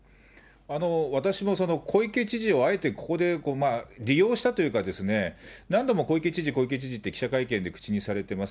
私も、小池知事をあえてここで利用したというか、何度も小池知事、小池知事と記者会見で口にされてます。